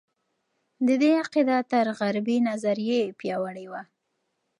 د دې عقیده تر غربي نظریې پیاوړې وه.